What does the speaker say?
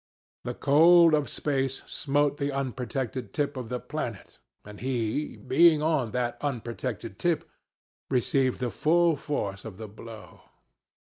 The cold of space smote the unprotected tip of the planet, and he, being on that unprotected tip, received the full force of the blow.